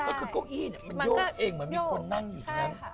ก็คือโก้งอี้มันโยกเองมันมีคนนั่งอยู่ทั้ง